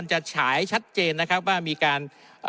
ฉายชัดเจนนะครับว่ามีการ